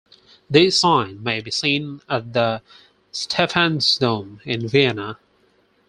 This sign may be seen at the Stephansdom in Vienna.